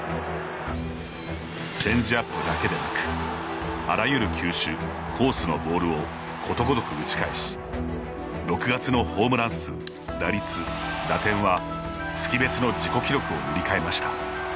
チェンジアップだけでなくあらゆる球種・コースのボールをことごとく打ち返し６月のホームラン数打率・打点は月別の自己記録を塗り替えました。